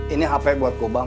ini hape buat gue bang